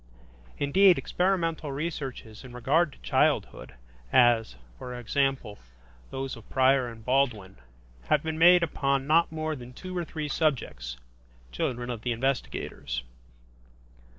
Indeed, experimental researches in regard to childhood, as, for example, those of Preyer and Baldwin, have been made upon not more than two or three subjects, children of the investigators.